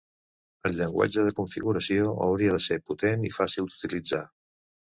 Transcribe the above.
El llenguatge de configuració hauria de ser potent i fàcil d'utilitzar.